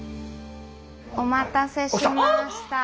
お待たせしました。